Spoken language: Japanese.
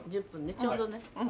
ちょうどね。